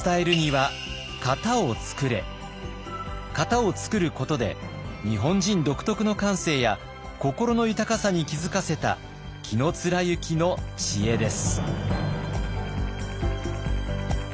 型を創ることで日本人独特の感性や心の豊かさに気付かせた紀貫之の知恵です。